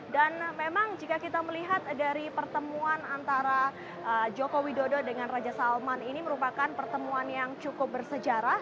dan memang jika kita melihat dari pertemuan antara joko widodo dengan raja salman ini merupakan pertemuan yang cukup bersejarah